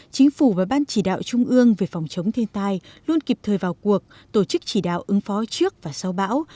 chính phủ và ban chỉ đạo trung ương về phòng chống thiên tai luôn kịp thời vào cuộc tổ chức chỉ đạo ứng phó trước và sau bão